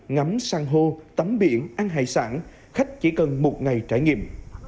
ngắm sang hô tắm biển ăn hải sản khách chỉ cần một ngày trải nghiệm